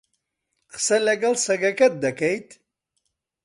قسە لەگەڵ سەگەکەت دەکەیت؟